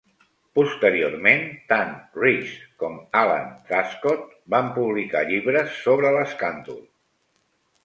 Posteriorment, tant Reese com Alan Truscott van publicar llibres sobre l'escàndol.